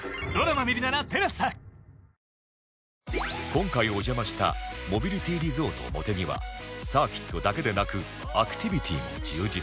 今回お邪魔したモビリティリゾートもてぎはサーキットだけでなくアクティビティも充実